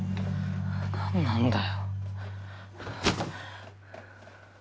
何なんだよ。